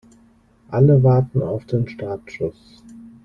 Alle warten auf den Startschuss.